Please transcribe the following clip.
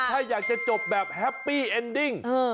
ถ้าอยากจะจบแบบแฮปปี้เอ็นดิ้ง